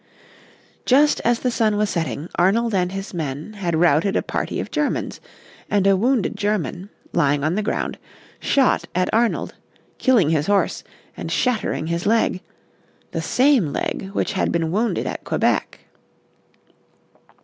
Just as the sun was setting Arnold and his men had routed a party of Germans, and a wounded German, lying on the ground, shot at Arnold, killing his horse and shattering his leg the same leg which had been wounded at Quebec.